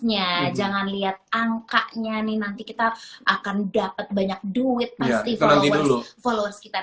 nya jangan lihat angkanya nih nanti kita akan dapat banyak duit pasti followers followers kita